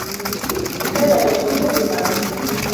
كان بيته مظلماً.